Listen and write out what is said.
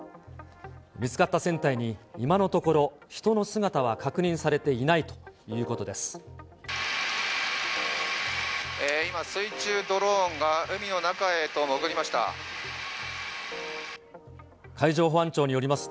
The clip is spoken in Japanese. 見つかった船体に、今のところ、人の姿は確認されていないということです。